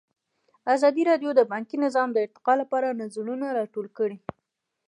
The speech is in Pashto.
ازادي راډیو د بانکي نظام د ارتقا لپاره نظرونه راټول کړي.